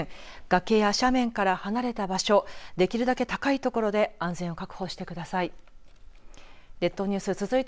崖や斜面から離れた場所できるだけ高い所で安全を確保してください。